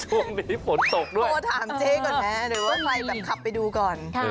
ฝนตกด้วยโทรถามเจ๊ก่อนไหมหรือว่าใครแบบขับไปดูก่อน